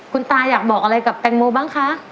คุณตาอยากบอกอะไรกับแตงโมบ้างคะ